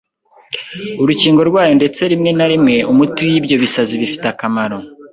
urukingo rwayo ndetse rimwe na rimwe umuti w’ ibyo bisazi bifite akamaro